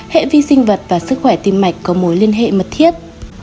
hệ vi sinh vật và sức khỏe tim mạch có mối liên hệ mật thiết